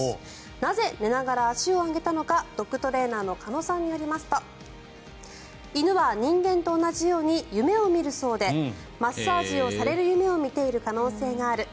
なぜ寝ながら足を上げたのかドッグトレーナーの鹿野さんによりますと犬は人間と同じように夢を見るそうでマッサージをされる夢を見ている可能性がある。